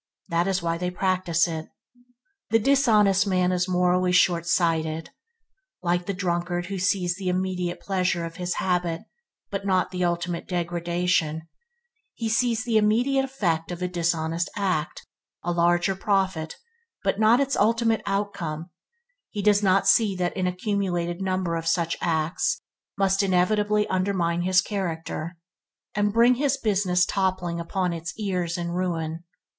This is why they practice it. The dishonest man is morally short sighted. Like the drunkard who sees the immediate pleasure of his habit, but not the ultimate degradation, he sees the immediate effect of a dishonest act – a larger profit but not its ultimate outcome; he does not see that an accumulated number of such acts must inevitably undermine his character, and bring his business toppling about his ears in ruin.